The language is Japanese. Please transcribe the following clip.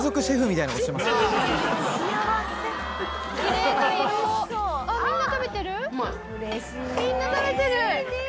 みんな食べてる！